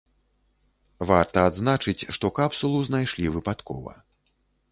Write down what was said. Варта адзначыць, што капсулу знайшлі выпадкова.